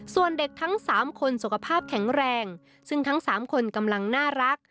ส่วนเด็กทั้ง๓คนสุขภาพแข็งแรงซึ่งทั้ง๓คนกำลังน่ารัก